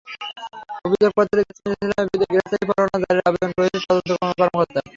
অভিযোগপত্রে জেসমিন ইসলামের বিরুদ্ধে গ্রেপ্তারি পরোয়ানা জারির আবেদন করেছেন তদন্ত কর্মকর্তা।